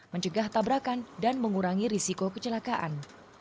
mencegah tabrakan dan mengurangi risiko kecelakaan